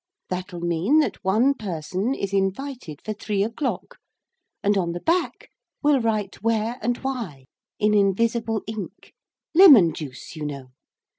That'll mean that 1 person is invited for 3 o'clock, and on the back we'll write where and why in invisible ink. Lemon juice, you know.